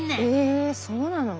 えそうなの？